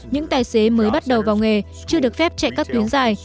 những tài xế mới bắt đầu vào nghề chưa được phép chạy các tuyến dài